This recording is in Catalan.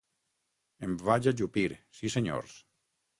Em vaig ajupir, sí senyors